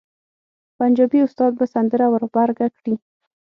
پنجابي استاد به سندره ور غبرګه کړي.